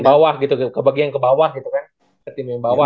bawah gitu kebagian ke bawah gitu kan